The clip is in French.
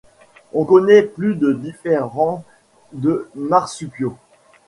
On connaît plus de différentes de marsupiaux.